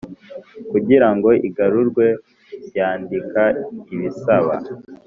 kugira ngo igarurwe yandika ibisaba